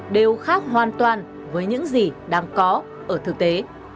đều khác hoàn toàn với những gì đang có ở thực tế